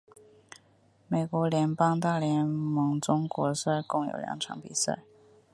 美国职棒大联盟中国赛共有两场比赛。